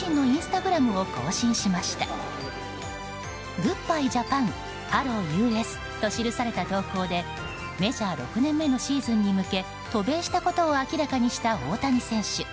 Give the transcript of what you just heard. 「グッバイジャパンハローＵＳ」と記された投稿でメジャー６年目のシーズンに向け渡米したことを明らかにした大谷選手。